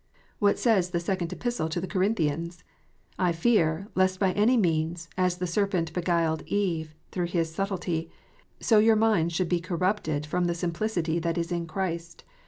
What says the Second Epistle to the Corinthians 1 "I fear, lest by any means, as the serpent beguiled Eve through his subtilty, so your minds should be corrupted from the simplicity that is in Christ."